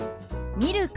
「ミルク」。